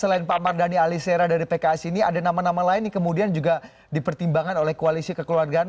selain pak mardhani alisera dari pks ini ada nama nama lain yang kemudian juga dipertimbangkan oleh koalisi kekeluargaan